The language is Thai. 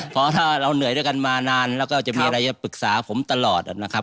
เพราะถ้าเราเหนื่อยด้วยกันมานานแล้วก็จะมีอะไรจะปรึกษาผมตลอดนะครับ